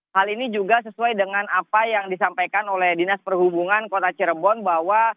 hal ini juga sesuai dengan apa yang disampaikan oleh dinas perhubungan kota cirebon bahwa